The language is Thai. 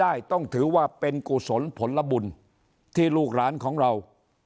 ด้วยนี้ได้ต้องถือว่าเป็นกุศลผลบุลที่ลูกหลานของเรา